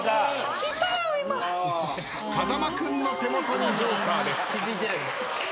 風間君の手元にジョーカーです。